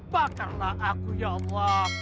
bakarlah aku ya allah